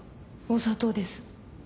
お砂糖です。